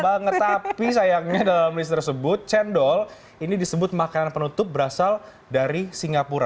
banget tapi sayangnya dalam list tersebut cendol ini disebut makanan penutup berasal dari singapura